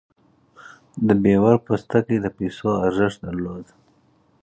د بیور پوستکی د پیسو ارزښت درلود.